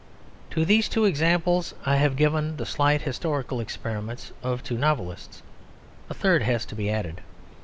To these two examples I have given of the slight historical experiments of two novelists a third has to be added.